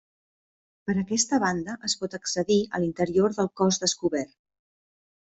Per aquesta banda es pot accedir a l'interior del cos descobert.